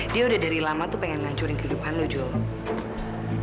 dia udah dari lama tuh pengen ngancurin kehidupan lo joe